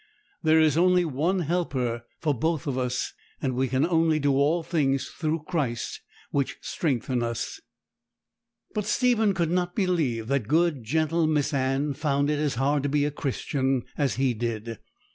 There is only one Helper for both of us; and we can only do all things through Christ which strengtheneth us.' But Stephen could not believe that good, gentle Miss Anne found it as hard to be a Christian as he did.